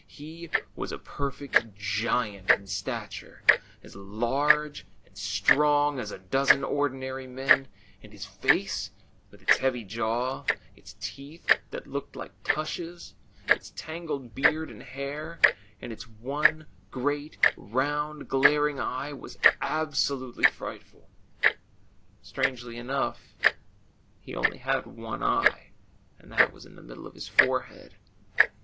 He was a perfect giant in stature, as large and strong as a dozen ordinary men ; and his face, with its heavy jaw, its teeth that looked like loS THE CHILDREN'S WONDER BOOK. tushesj its tangled beard and hair, and its one great round glaring eye, was absolutely frightful. Strangely enough, he only had one eye, and that was in the middle of his forehead.